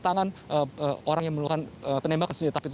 tangan orang yang menemukan penembakan senjata api